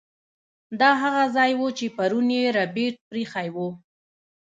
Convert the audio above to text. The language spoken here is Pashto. دا هغه ځای و چې پرون یې ربیټ پریښی و